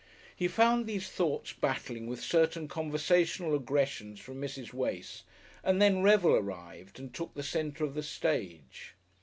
He found these thoughts battling with certain conversational aggressions from Mrs. Wace, and then Revel arrived and took the centre of the stage.